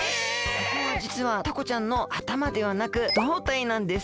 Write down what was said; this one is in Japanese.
ここはじつはタコちゃんのあたまではなく胴体なんです。